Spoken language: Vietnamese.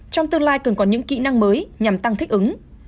trong tương lai cần có những kỹ năng mới nhằm tăng thích ứng